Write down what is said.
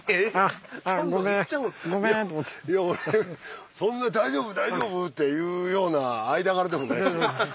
俺そんな「大丈夫大丈夫？」っていうような間柄でもないし。